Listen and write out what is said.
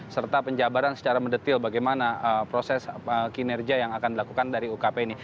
serta penjabaran secara mendetil bagaimana proses kinerja yang akan dilakukan dari ukp ini